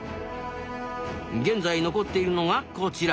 現在残っているのがこちら。